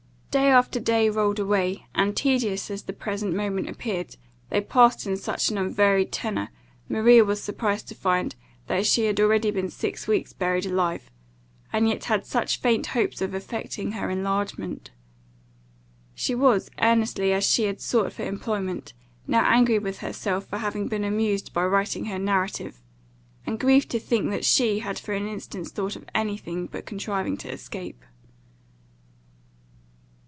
Day after day rolled away, and tedious as the present moment appeared, they passed in such an unvaried tenor, Maria was surprised to find that she had already been six weeks buried alive, and yet had such faint hopes of effecting her enlargement. She was, earnestly as she had sought for employment, now angry with herself for having been amused by writing her narrative; and grieved to think that she had for an instant thought of any thing, but contriving to escape.